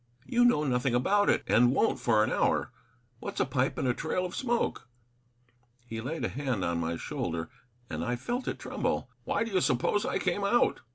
"You know nothing about it, and won't for an hour. What's a pipe and a trail of smoke?" He laid a hand on my shoulder, and I felt it tremble. "Why do you suppose I came out?"